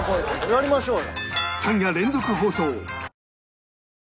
やりましょうよ。